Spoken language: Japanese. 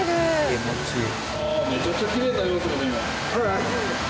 気持ちいい。